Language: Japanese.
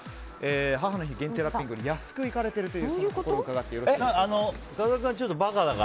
母の日限定ラッピングより安くいかれているという理由伺ってよろしいでしょうか。